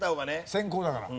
先攻だから。